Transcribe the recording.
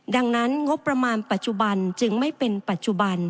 ดังนั้นงบประมาณปัจจุบันจึงไม่เป็นปัจจุบัน